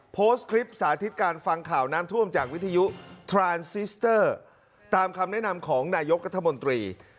โพสต์คลิปสาธิตการฟังข่าวน้ำท่วมจากวิทยุตามคำแนะนำของนายกระทะวนตรี